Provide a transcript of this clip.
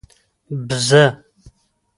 🐐 بزه